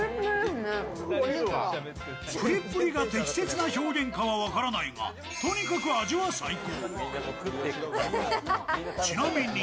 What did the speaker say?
ぷりっぷりが適切な表現かどうかは分からないがとにかく味は最高。